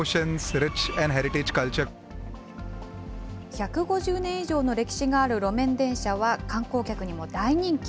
１５０年以上の歴史がある路面電車は、観光客にも大人気。